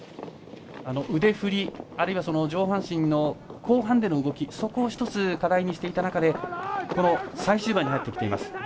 腕振り、あるいは上半身の後半での動き、そこを１つ課題にしていた中でこの最終盤に入ってきています。